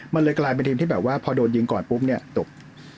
มันเลยกลายเป็นทีมที่แบบว่าพอโดนยิงก่อนปุ๊บเนี่ยตก